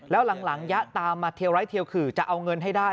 แล้วหลังยะตามมาเทียวไร้เทียวขื่อจะเอาเงินให้ได้